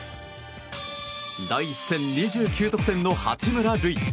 第１戦２９得点の八村塁。